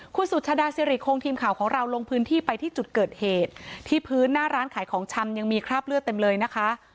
คุณสุชาดาสิริคงทีมข่าวของเราลงพื้นที่ไปที่จุดเกิดเหตุที่พื้นหน้าร้านขายของชำยังมีคราบเลือดเต็มเลยนะคะ